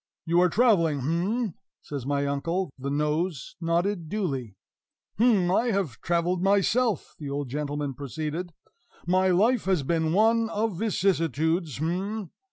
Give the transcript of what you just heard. "You are traveling, h'm?" says my uncle. The nose nodded duly. "H'm! I have traveled, myself," the old gentleman proceeded; "my life has been one of vicissitudes, h'm!